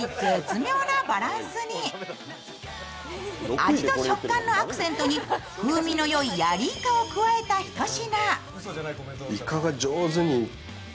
味と食感のアクセントに風味のよいヤリイカを加えたひと品。